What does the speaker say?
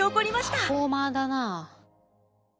パフォーマーだな。